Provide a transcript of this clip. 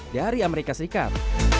dari amerika serikat